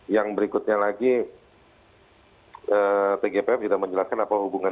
yang berikutnya lagi tgpf juga menjelaskan apa hubungan